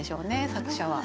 作者は。